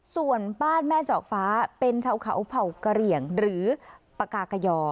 ส่วนบ้านแม่เจาะฟ้าเป็นชาวเขาเผ่ากะเหลี่ยงหรือปากากยอ